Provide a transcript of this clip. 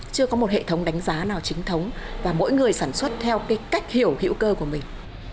chưa có một hệ thống đánh giá nào chính thống và mỗi người sản xuất theo cái cách hiểu hữu cơ của mình